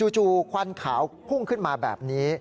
จู่ควันขาวพุ่งขึ้นมาแบบนี้